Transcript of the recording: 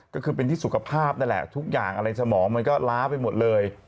ก็คือเป็นที่สุขภาพนั่นแหละทุกอย่างอะไรสมองมันก็ล้าไปหมดเลย